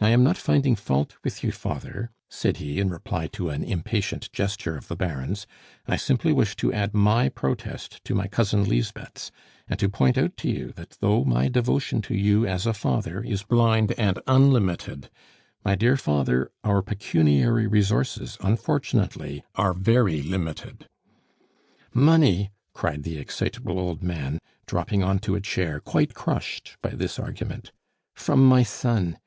I am not finding fault with you, father," said he, in reply to an impatient gesture of the Baron's; "I simply wish to add my protest to my cousin Lisbeth's, and to point out to you that though my devotion to you as a father is blind and unlimited, my dear father, our pecuniary resources, unfortunately, are very limited." "Money!" cried the excitable old man, dropping on to a chair, quite crushed by this argument. "From my son!